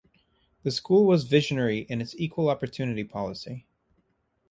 The school was visionary in its equal opportunity policy.